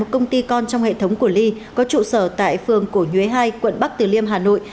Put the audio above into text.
một công ty con trong hệ thống của ly có trụ sở tại phường cổ nhuế hai quận bắc từ liêm hà nội